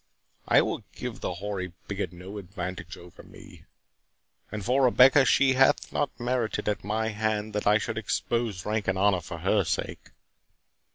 "I will give the hoary bigot no advantage over me; and for Rebecca, she hath not merited at my hand that I should expose rank and honour for her sake.